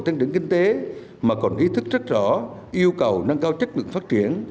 tăng trưởng kinh tế mà còn ý thức rất rõ yêu cầu nâng cao chất lượng phát triển